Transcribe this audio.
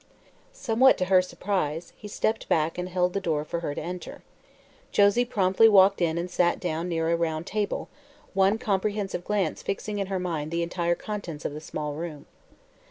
Somewhat to her surprise he stepped back and held the door for her to enter. Josie promptly walked in and sat down near a round table, one comprehensive glance fixing in her mind the entire contents of the small room.